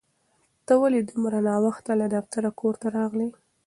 ته ولې دومره ناوخته له دفتره کور ته راغلې؟